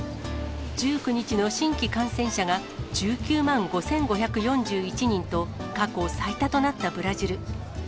１９日の新規感染者が１９万５５４１人と、過去最多となったブラジル。